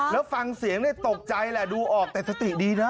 แล้วฟังเสียงตกใจแหละดูออกแต่สติดีนะ